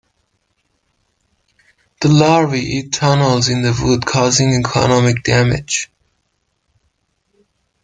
The larvae eat tunnels in the wood, causing economic damage.